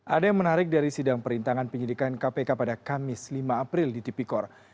ada yang menarik dari sidang perintangan penyidikan kpk pada kamis lima april di tipikor